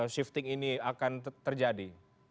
shifting ini akan terjadi